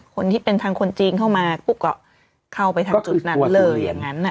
คนที่เป็นทางคนจีนเข้ามาปุ๊บก็เข้าไปทางจุดนั้นเลยอย่างนั้น